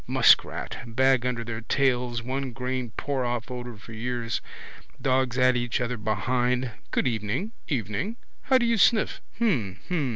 Muskrat. Bag under their tails. One grain pour off odour for years. Dogs at each other behind. Good evening. Evening. How do you sniff? Hm. Hm.